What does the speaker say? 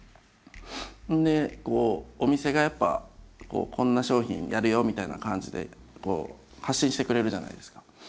でお店がやっぱこんな商品やるよみたいな感じで発信してくれるじゃないですか。